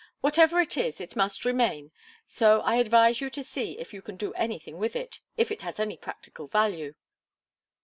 Whatever it is, it must remain, so I advise you to see if you can do anything with it, if it has any practical value."